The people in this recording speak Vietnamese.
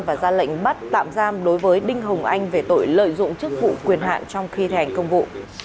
và ra lệnh bắt tạm giam đối với đinh hồng anh về tội lợi dụng chức vụ quyền hạng trong khi thi hành công vụ